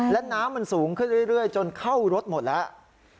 และน้ำมันสูงขึ้นเรื่อยจนเข้ารถหมดแล้ว